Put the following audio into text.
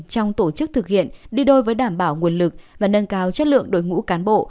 trong tổ chức thực hiện đi đôi với đảm bảo nguồn lực và nâng cao chất lượng đội ngũ cán bộ